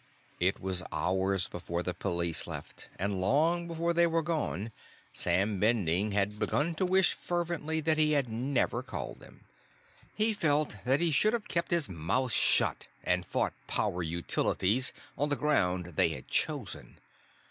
It was hours before the police left, and long before they were gone Sam Bending had begun to wish fervently that he had never called them. He felt that he should have kept his mouth shut and fought Power Utilities on the ground they had chosen.